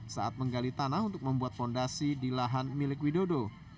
saat menggali tanah untuk membuat fondasi di lahan milik widodo